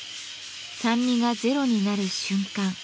酸味がゼロになる瞬間